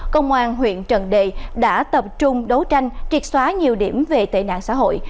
công an huyện trần đề đã tập trung đấu tranh triệt xóa nhiều điểm về tệ nạn xã hội